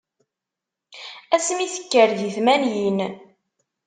Ass mi tekker di tmanyin.